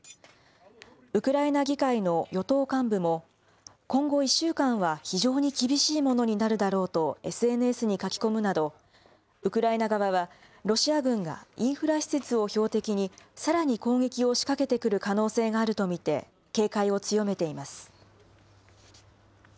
ウクライナ議会の与党幹部も、今後１週間は非常に厳しいものになるだろうとＳＮＳに書き込むなど、ウクライナ側はロシア軍がインフラ施設を標的に、さらに攻撃を仕掛けてくる可能性があると見て、警戒を強めています。